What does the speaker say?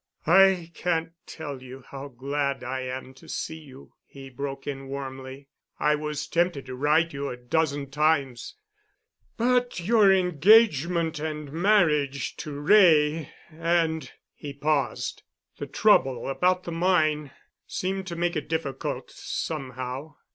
"I can't tell you how glad I am to see you," he broke in warmly. "I was tempted to write you a dozen times, but your engagement and marriage to Wray and"—he paused—"the trouble about the mine seemed to make it difficult, somehow."